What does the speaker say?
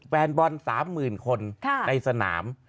แฟนบอล๓๐๐๐คนในสนาม